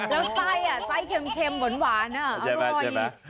แล้วไส้ไส้เค็มเหมือนหวานอ่าโรยใช่ไหม